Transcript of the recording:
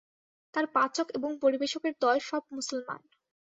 তার পাচক এবং পরিবেশকের দল সব মুসলমান।